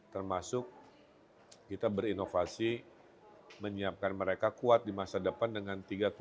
termasuk kita berinovasi menyiapkan mereka kuat di masa depan dengan tiga kekuatan